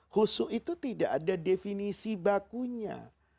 khusu itu tidak ada definisi bakunya